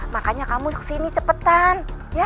makanya kamu ke sini cepetan